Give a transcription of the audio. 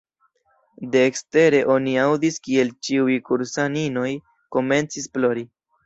De ekstere oni aŭdis kiel ĉiuj kursaninoj komencis plori.